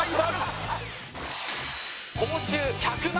報酬１００万！